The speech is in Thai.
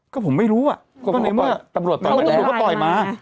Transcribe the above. ก็ผมไม่รู้ตอนไหนเมื่อตรวจก็ปล่อยมา